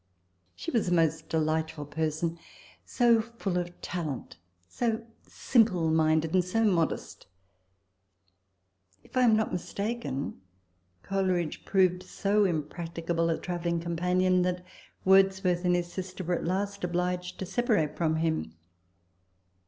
She was a most delightful person so full of talent, so simple minded, and so modest ! If I am not mistaken, Coleridge proved so impracticable a travelling companion, that Wordsworth and his sister were at last obliged to separate from him.